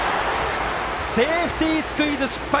セーフティースクイズ失敗！